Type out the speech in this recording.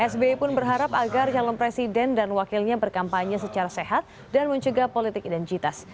sbi pun berharap agar calon presiden dan wakilnya berkampanye secara sehat dan mencegah politik identitas